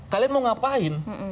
kalian mau ngapain